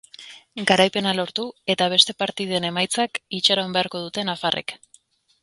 Garaipena lortu eta beste partiden emaitzak itxaron beharko dute nafarrek.